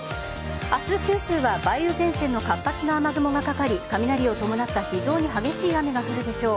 明日、九州は梅雨前線の活発な雨雲がかかり雷を伴った非常に激しい雨が降るでしょう。